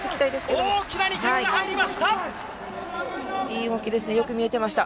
大きな２点が入りました。